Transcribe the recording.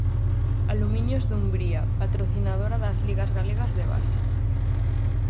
Aluminios Dumbría, patrocinadora das ligas galegas de base.